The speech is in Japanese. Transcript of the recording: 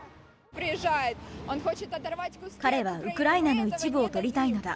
彼はウクライナの一部を取りたいのだ。